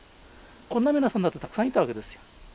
こんな皆さんだってたくさんいたわけですよ。